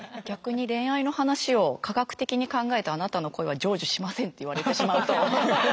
逆に恋愛の話を科学的に考えてあなたの恋は成就しませんって言われてしまうと。